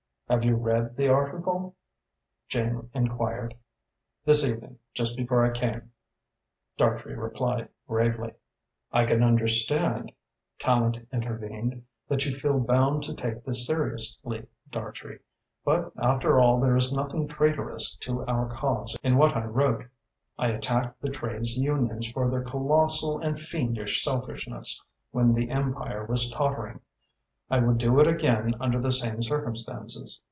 "Have you read the article?" Jane enquired. "This evening, just before I came," Dartrey replied gravely. "I can understand," Tallente intervened, "that you feel bound to take this seriously, Dartrey, but after all there is nothing traitorous to our cause in what I wrote. I attacked the trades unions for their colossal and fiendish selfishness when the Empire was tottering. I would do it again under the same circumstances.